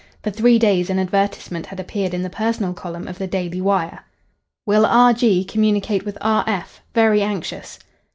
For three days an advertisement had appeared in the personal column of the Daily Wire "Will R. G. communicate with R. F. Very anxious."